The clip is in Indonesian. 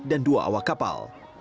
dan dua awak kapal